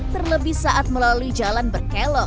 terlebih saat melalui jalan berkelok dan naik turun